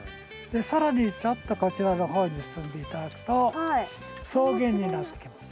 更にちょっとこちらの方に進んで頂くと草原になってきます。